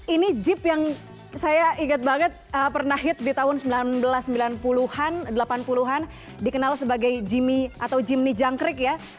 ini jeep yang saya ingat banget pernah hit di tahun seribu sembilan ratus delapan puluh an dikenal sebagai jimny junkrig ya